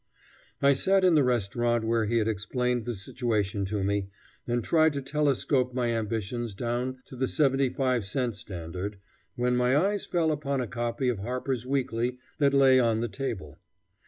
I sat in the restaurant where he had explained the situation to me, and tried to telescope my ambitions down to the seventy five cent standard, when my eyes fell upon a copy of Harper's Weekly that lay on the table.